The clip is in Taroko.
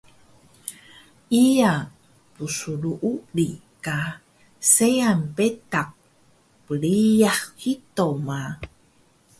Iya psluuli ka seang betaq priyax hido ma